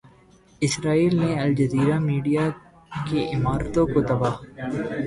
اسرائیل نے Al Jazeera media کی عمارتوں کو تباہ